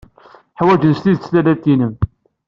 Ḥwajen s tidet tallalt-nnem.